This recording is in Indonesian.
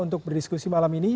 untuk berdiskusi malam ini